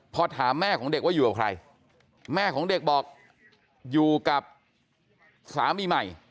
พอถามแม่ของเด็กว่าอยู่กับใครแม่ของเด็กบอกอยู่กับสามีใหม่